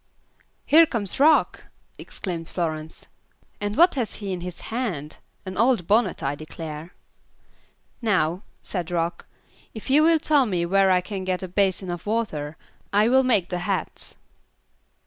"Here comes Rock," exclaimed Florence, "and what has he in his hand? An old bonnet, I declare." "Now," said Rock, "if you will tell me where I can get a basin of water, I will make the hats."